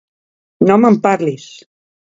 No me'n parlis!